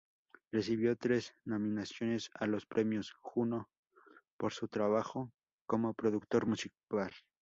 Recibió tres nominaciones a los premios Juno por su trabajo como productor musical.